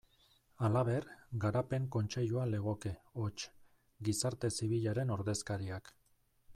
Halaber, Garapen Kontseilua legoke, hots, gizarte zibilaren ordezkariak.